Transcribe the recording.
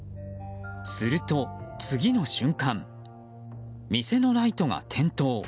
すると、次の瞬間店のライトが点灯。